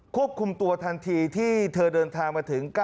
ควบคุมตัวทันทีที่เธอเดินทางมาถึง